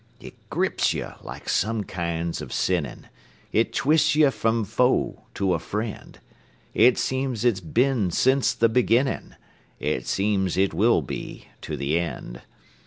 It grips you like some kinds of sinning; It twists you from foe to a friend; It seems it's been since the beginning; It seems it will be to the end.